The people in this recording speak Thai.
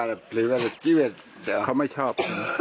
หรือว่าในชีวิตเขาไม่ชอบ